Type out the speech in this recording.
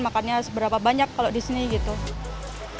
makannya seberapa banyak kalau di sini gitu